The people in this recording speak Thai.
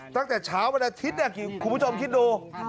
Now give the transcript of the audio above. ตั้งแต่เช้าวันอาทิตย์คุณผู้ชมคิดดู